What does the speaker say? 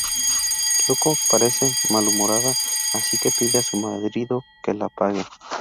Kyoko parece malhumorada, así que pide a su marido que la apague.